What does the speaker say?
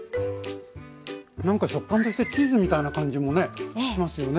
なんか食感としてチーズみたいな感じもねしますよね。